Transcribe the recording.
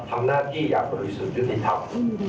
ทำหน้าที่อยากบริสุทธิธรรม